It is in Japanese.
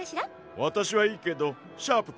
わたしはいいけどシャープくんは？